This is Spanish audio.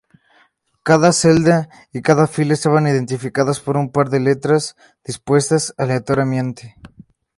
Cada celda y cada fila estaban identificadas por un par de letras dispuestas aleatoriamente.